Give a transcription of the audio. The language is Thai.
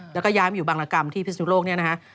แล้วก็ย้ายมาอยู่บางรกรรมที่พิศนุโลกเนี่ยนะฮะ